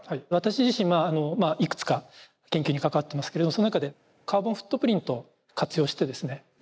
私自身まあいくつか研究に関わってますけれどその中でカーボンフットプリントを活用してですね